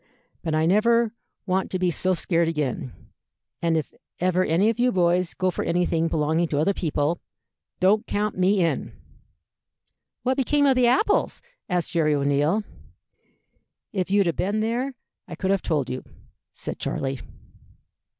But I never want to be so scared again, and if ever any of you boys go for anything belonging to other people, don't you count me in." "What became of the apples?" asked Jerry O'Neil. "If you'd 'a been there I could have told you," said Charley.